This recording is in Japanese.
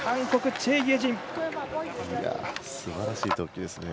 すばらしい投球ですね。